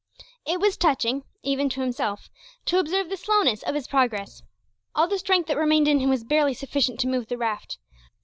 It was touching, even to himself, to observe the slowness of his progress. All the strength that remained in him was barely sufficient to move the raft.